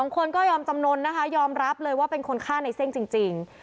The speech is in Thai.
๒คนก็ยอมจำนวนนะคะยอมรับเลยว่าเป็นคนฆ่าในเส้งจริง